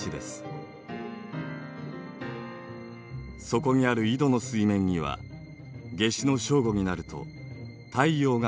そこにある井戸の水面には夏至の正午になると太陽が映し出されます。